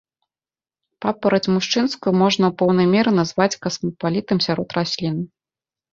Папараць мужчынскую можна ў поўнай меры назваць касмапалітам сярод раслін.